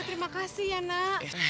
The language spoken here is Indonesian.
terima kasih ya nak